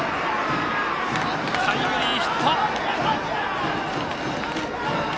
タイムリーヒット。